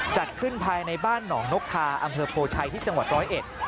จัดขึ้นภายในบ้านหนองนกทาอำเภอโพชัยที่จังหวัดร้อยเอ็ด